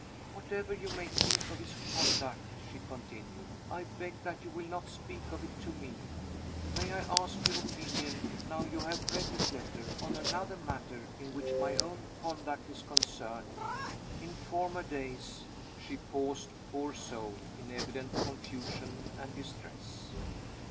"Whatever you may think of his conduct," she continued, "I beg that you will not speak of it to me. May I ask your opinion (now you have read his letter) on another matter, in which my own conduct is concerned? In former days " She paused, poor soul, in evident confusion and distress.